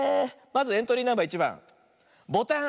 まずエントリーナンバー１ばんボタン。